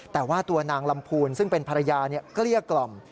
แต่ว่าตัวนางลำพูนซึ่งเป็นภรรยาเกลี้ยกล่อม